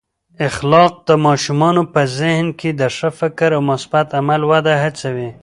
اخلاق د ماشومانو په ذهن کې د ښه فکر او مثبت عمل وده هڅوي.